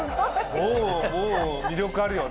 もう魅力あるよね。